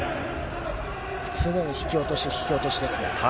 常に引き落とし、引き落とし